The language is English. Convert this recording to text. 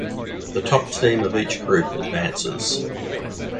The top team of each group advances.